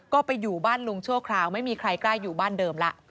ก็ไปอยู่บ้านลุงชั่วคราวไม่มีใครกล้าอยู่บ้านเดิมแล้ว